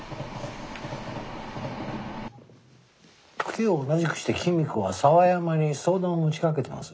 時を同じくして公子は沢山に相談をもちかけてます。